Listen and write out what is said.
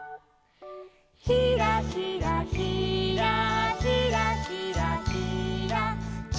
「ひらひらひらひらひらひら」